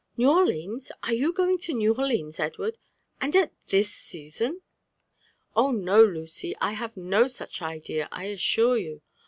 '* New Orleans! Are you going to New Orleans, Edward? — and at this season!" '' Oh no, Lucy ! I have no such idea, I assure you.